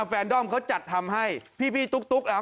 แฟนดอมเขาจัดทำให้พี่ตุ๊ก